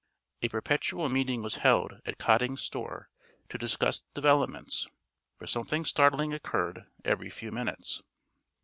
A perpetual meeting was held at Cotting's store to discuss developments, for something startling occurred every few minutes.